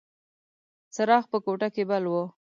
څراغ په کوټه کې بل و.